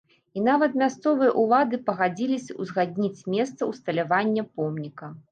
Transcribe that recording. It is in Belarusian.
І нават мясцовыя ўлады пагадзіліся узгадніць месца ўсталявання помніка.